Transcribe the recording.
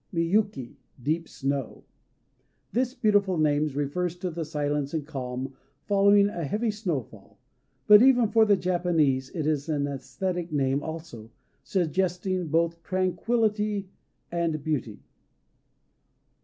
Miyuki "Deep Snow." This beautiful name refers to the silence and calm following a heavy snowfall. But, even for the Japanese, it is an æsthetic name also suggesting both tranquillity and beauty.